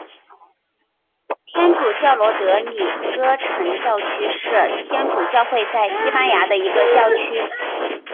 天主教罗德里戈城教区是天主教会在西班牙的一个教区。